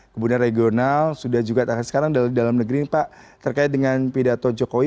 kemudian regional sudah juga sekarang dari dalam negeri pak terkait dengan pidato jokowi